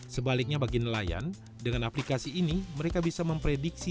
sebaliknya bagi nelayan dengan aplikasi ini mereka bisa memprediksi